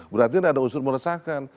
berarti ada unsur meresahkan